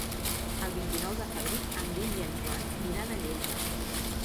El vint-i-nou de febrer en Guim i en Joan iran a Lleida.